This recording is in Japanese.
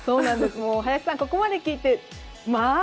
林さん、ここまで聞いてまあ